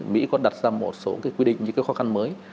mỹ có đặt ra một số cái quy định những cái khó khăn mới